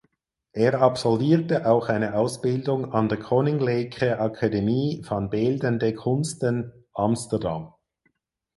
Er absolvierte auch eine Ausbildung an der Koninklijke Akademie van Beeldende Kunsten (Amsterdam).